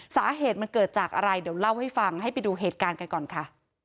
สาเหตุมันเกิดจากอะไรเดี๋ยวเล่าให้ฟังให้ไปดูเหตุการณ์กันก่อนค่ะ